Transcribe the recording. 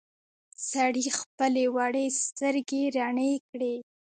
سړي خپلې وړې سترګې رڼې کړې.